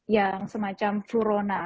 yang semacam flurona